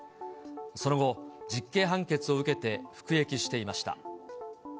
その後、実刑判決を受けて服役していました。